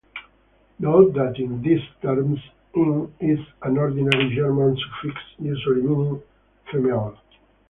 Note that in these terms, "-in" is an ordinary German suffix usually meaning "female".